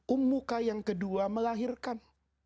ummukah yang kedua melahirkan